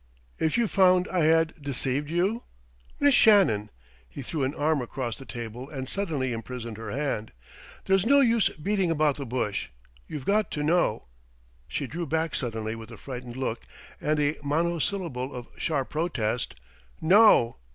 "If you found I had deceived you ?" "Miss Shannon!" He threw an arm across the table and suddenly imprisoned her hand. "There's no use beating about the bush. You've got to know " She drew back suddenly with a frightened look and a monosyllable of sharp protest: "No!"